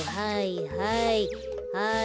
はいはい。